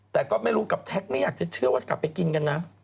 แต่ก็ไม่รู้กับแท็กไม่อยากจะเชื่อว่ากลับไปกินกันนะ